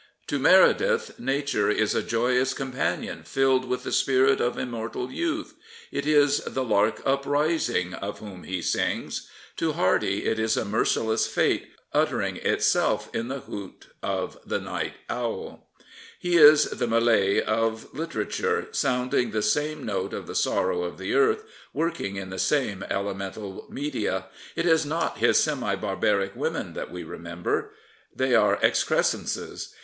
'' To Meredith Nature is a joyous companion filled with the spirit of immortal youth; it is " The Lark Uprising " of whom he sings. To Hardy it is a merciless Fate, uttering itself in the hoot of the night owl. He is the Millet of literature, sounding the same note of the sorrow of the earth, working in the same elemental media. ^ It is not his semi barbaric women that we remember. They are excrescences.